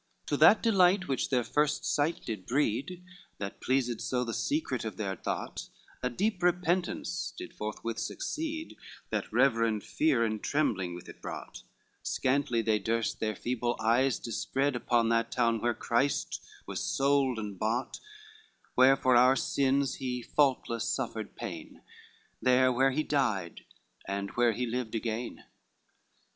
V To that delight which their first sight did breed, That pleased so the secret of their thought A deep repentance did forthwith succeed That reverend fear and trembling with it brought, Scantly they durst their feeble eyes dispreed Upon that town where Christ was sold and bought, Where for our sins he faultless suffered pain, There where he died and where he lived again.